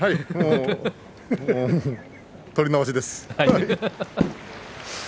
取り直しです。